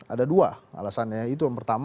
ada dua alasannya itu yang pertama